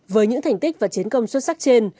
với những thành tích và chiến công xuất sắc trên